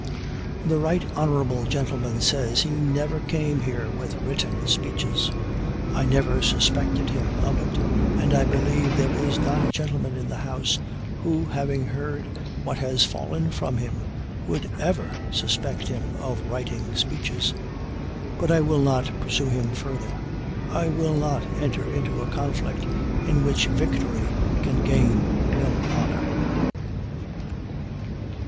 The right honorable gentleman says he never came here with written speeches. I never suspected him of it, and I believe there is not a gentleman in the house, who, having heard what has fallen from him, would ever suspect him of writing speeches. But I will not pursue him further. I will not enter into a conflict in which victory can gain no honor."